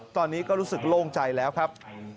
ตอนนี้ก็รู้สึกโล่งใจแล้วครับ